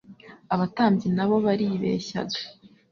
Abatambyi na bo baribeshyaga.